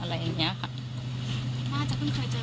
น่าจะเพิ่งเคยเจอกันแล้วก็มากันที่ห้องคุณแม่แล้วหักจากนั้นก็คือ